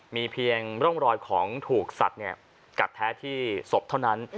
มีเพียงร่องรอยของถูกสัตว์กัดแท้ที่ศพเท่านั้น